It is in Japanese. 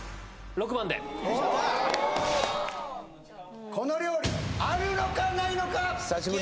６番でこの料理あるのかないのか久しぶりにくる？